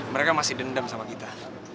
mereka masih dendam sama kita